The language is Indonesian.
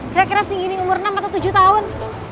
kira kira segini umur enam atau tujuh tahun